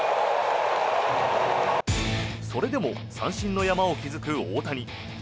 それでも三振の山を築く大谷。